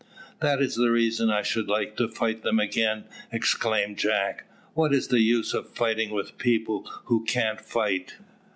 "That is the reason I should like to fight them again," exclaimed Jack. "What is the use of fighting with people who can't fight?"